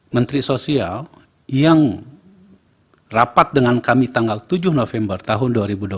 menteri sosial yang rapat dengan kami tanggal tujuh november tahun dua ribu dua puluh satu